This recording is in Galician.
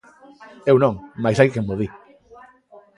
Eu non, mais hai quen mo di.